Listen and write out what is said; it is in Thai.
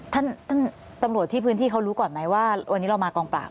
ท่านท่านตำรวจที่พื้นที่เขารู้ก่อนไหมว่าวันนี้เรามากองปราบ